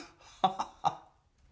ハハハ！